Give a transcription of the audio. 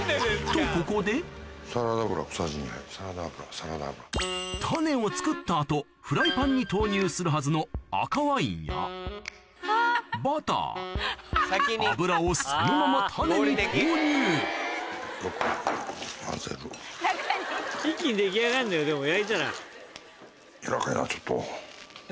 とここでタネを作った後フライパンに投入するはずの赤ワインやバター油をそのままタネに投入一気に出来上がるんだよでも焼いたら。